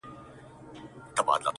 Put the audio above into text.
نه بيزو وه نه وياله وه نه گودر وو.!